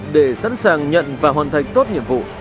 để sẵn sàng nhận và hoàn thành tốt nhiệm vụ